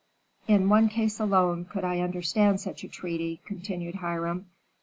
"In one case alone could I understand such a treaty," continued Hiram.